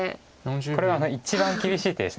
これは一番厳しい手です。